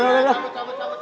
gue ada lagi sama semua ya